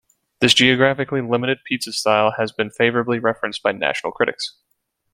This geographically limited pizza style has been favorably referenced by national critics.